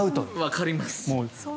わかります。